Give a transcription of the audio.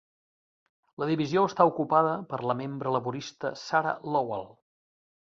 La divisió està ocupada per la membre laborista Sarah Lovell.